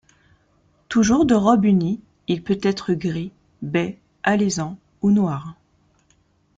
Toujours de robe unie, il peut être gris, bai, alezan ou noir.